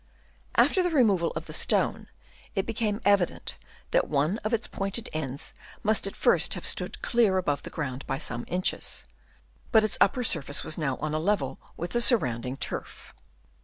After the removal of the stone it became evident that one of its pointed ends must at first have stood clear above the ground by some inches, 154 GKEAT STONES Chap. III. but its upper surface was now on a level with the surrounding turf.